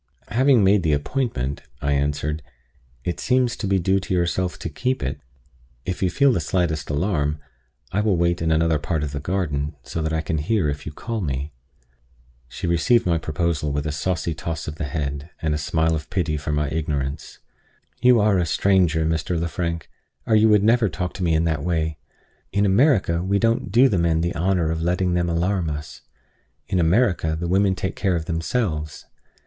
"Having made the appointment," I answered, "it seems to be due to yourself to keep it. If you feel the slightest alarm, I will wait in another part of the garden, so that I can hear if you call me." She received my proposal with a saucy toss of the head, and a smile of pity for my ignorance. "You are a stranger, Mr. Lefrank, or you would never talk to me in that way. In America, we don't do the men the honor of letting them alarm us. In America, the women take care of themselves.